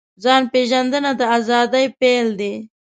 ځان پېژندنه د ازادۍ پیل دی.